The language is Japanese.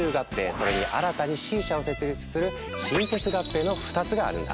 それに新たにＣ社を設立する「新設合併」の２つがあるんだ。